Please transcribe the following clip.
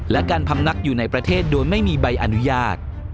และการพำนักอยู่ในประเทศโดยไม่มีใบอนุญาต